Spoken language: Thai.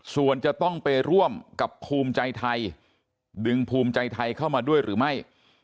ส่วนจะต้องไปร่วมกับภูมิใจไทยดึงภูมิใจไทยเข้ามาด้วยหรือไม่